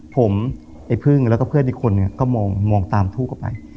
ผมไอ้พึ่งแล้วก็เพื่อนอีกคนเนี่ยก็มองตามทูบเข้าไป